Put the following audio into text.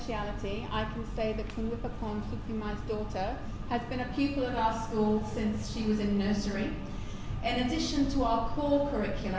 เอาแบ่งแค่ง่ายว่ามีหลายคนที่ไม่รู้ได้แล้วถ้าเกิดชื่อมาเนี่ยไม่ได้อยู่โรงเรียนเรามาหลักปีมากแหละ